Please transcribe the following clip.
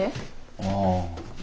ああ。